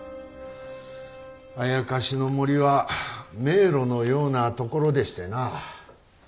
妖の森は迷路のような所でしてな。